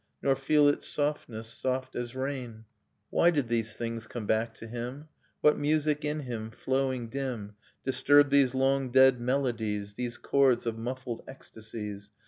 Nor feel its softness, soft as rain ... Why did these things come back to him? What music in him, flowing dim, Disturbed these long dead melodies, These chords of muffled ecstasies?